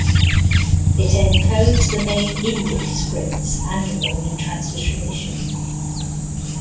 It encodes the main Indic scripts and a Roman transliteration.